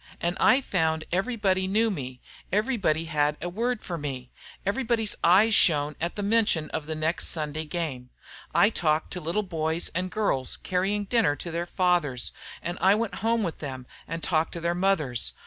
And I found everybody knew me; everybody had a word for me; everybody's eyes shone at the mention of the next Sunday game. I talked to little boys and girls carrying dinner to their fathers, and I went home with them and talked to their mothers.